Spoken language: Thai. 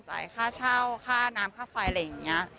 ค่าเช่าค่าน้ำค่าไฟอะไรอย่างนี้